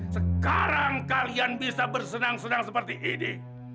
sekarang kalian bisa bersenang senang seperti ini